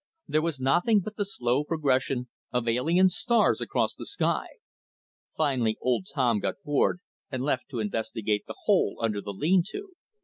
There was nothing but the slow progression of alien stars across the sky. Finally old Tom grew bored and left to investigate the hole under the lean to.